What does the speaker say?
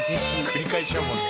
繰り返しだもんね。